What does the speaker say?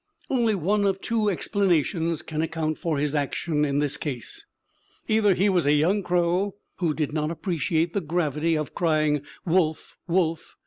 Only one of two explanations can account for his action in this case; either he was a young crow who did not appreciate the gravity of crying _wolf, wolf!